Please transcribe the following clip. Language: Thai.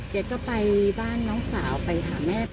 ก็ไปบ้านน้องสาวไปหาแม่